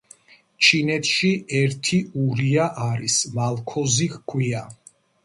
: ჩინეთში ერთი ურია არის, მალქოზი ჰქვია